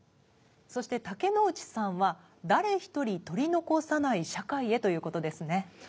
そして竹野内さんは「誰一人取り残さない社会へ」という事ですね。